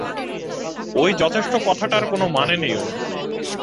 ওই যথেষ্ট কথাটার কোনো মানে নেই অন্তু।